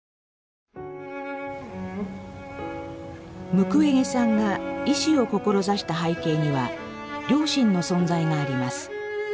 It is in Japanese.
ムクウェゲさんが医師を志した背景には両親の存在があります。